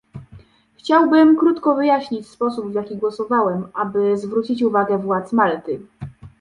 Chciałbym krótko wyjaśnić sposób, w jaki głosowałem, aby zwrócić uwagę władz Malty